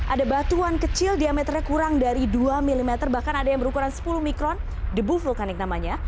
ada batuan kecil diameternya kurang dari dua mm bahkan ada yang berukuran sepuluh mikron debu vulkanik namanya